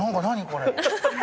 これ。